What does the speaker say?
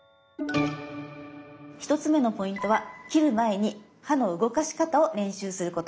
１つ目のポイントは切る前に刃の動かし方を練習すること。